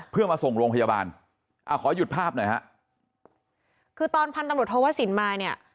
เพื่อมาส่งโรงพยาบาลอ่าขอหยุดภาพหน่อยฮะคือตอนพันตำรวจโทวสินมาเนี่ย